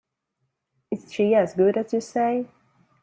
Is she as good as you say?